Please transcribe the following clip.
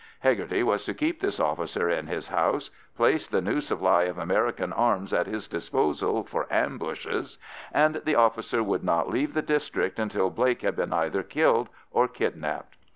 Hegarty was to keep this officer in his house, place the new supply of American arms at his disposal for ambushes, and the officer would not leave the district until Blake had been either killed or kidnapped.